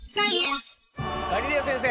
ガリレオ先生